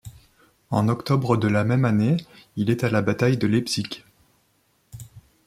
En Octobre de la même année, il est à la bataille de Leipzig.